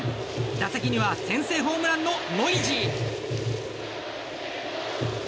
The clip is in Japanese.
打席には先制ホームランのノイジー。